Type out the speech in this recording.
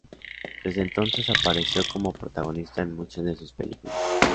Desde entonces apareció como protagonista en muchas de sus películas.